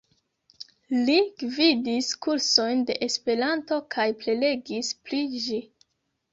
Li gvidis kursojn de Esperanto kaj prelegis pri ĝi.